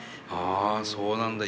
ああそうなんだ。